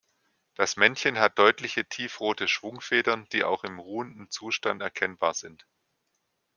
Das Männchen hat deutliche, tiefrote Schwungfedern, die auch im ruhenden Zustand erkennbar sind.